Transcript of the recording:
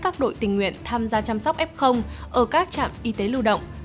các đội tình nguyện tham gia chăm sóc f ở các trạm y tế lưu động